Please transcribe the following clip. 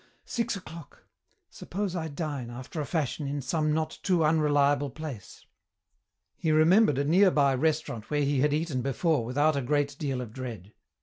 Six o'clock. Suppose I dine, after a fashion, in some not too unreliable place." He remembered a nearby restaurant where he had eaten before without a great deal of dread.